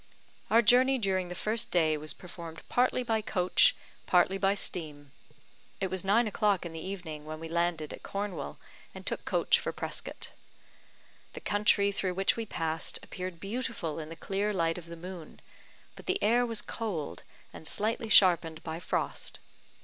Our journey during the first day was performed partly by coach, partly by steam. It was nine o'clock in the evening when we landed at Cornwell, and took coach for Prescott. The country through which we passed appeared beautiful in the clear light of the moon; but the air was cold, and slightly sharpened by frost.